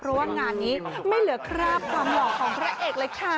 เพราะว่างานนี้ไม่เหลือคราบความหล่อของพระเอกเลยค่ะ